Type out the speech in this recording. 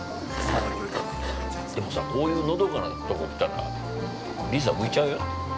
でもさ、こういうのどかなとこ来たら、里依紗、浮いちゃうよ。